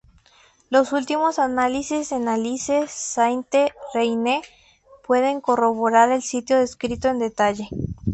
Los últimos análisis en Alise-Sainte-Reine pueden corroborar el sitio descrito en detalle.